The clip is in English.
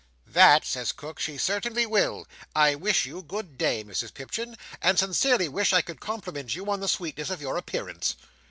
"That," says Cook, "she certainly will! I wish you good day, Mrs Pipchin, and sincerely wish I could compliment you on the sweetness of your appearance!"